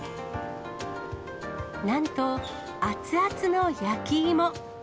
なんと熱々の焼き芋。